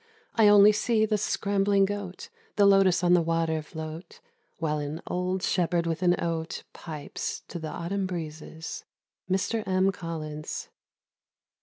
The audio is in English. I only see the scrambling goat, The lotos on the water float, While an old shepherd with an oat Pipes to the autumn breezes." MR M. COLLINS.